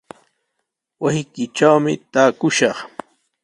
Wasiykitrawmi taakushaq.